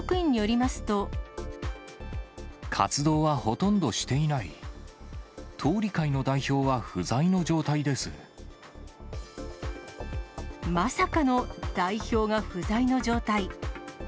まさかの代表が不在の状態。